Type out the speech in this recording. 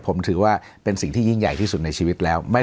ผมถือว่าเป็นสิ่งที่ยิ่งใหญ่ที่สุดในชีวิตแล้ว